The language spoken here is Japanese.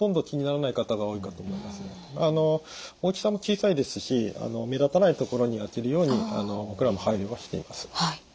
大きさも小さいですし目立たないところにあけるように僕らも配慮はしています。